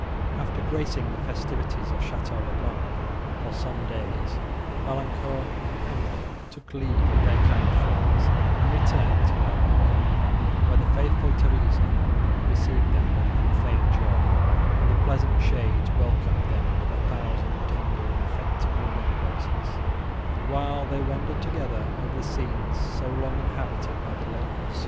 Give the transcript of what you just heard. After gracing the festivities of Château le Blanc, for some days, Valancourt and Emily took leave of their kind friends, and returned to La Vallée, where the faithful Theresa received them with unfeigned joy, and the pleasant shades welcomed them with a thousand tender and affecting remembrances; and, while they wandered together over the scenes, so long inhabited by the late Mons.